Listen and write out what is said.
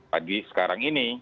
pagi sekarang ini